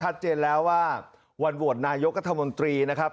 ชัดเจนแล้วว่าวันโหวตนายกรัฐมนตรีนะครับ